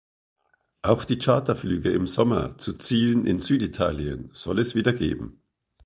Auch die Charterflüge im Sommer zu Zielen in Süditalien soll es wieder geben.